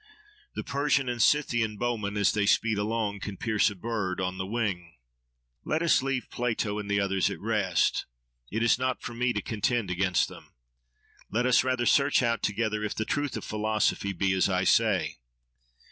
The Persian and Scythian bowmen, as they speed along, can pierce a bird on the wing.' —Let us leave Plato and the others at rest. It is not for me to contend against them. Let us rather search out together if the truth of Philosophy be as I say.